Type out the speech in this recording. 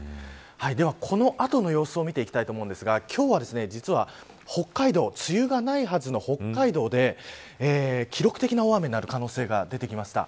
では、この後の様子を見ていきたいと思いますが今日は実は、北海道梅雨がないはずの北海道で記録的な大雨になる可能性が出てきました。